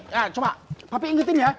ya coba tapi ingetin ya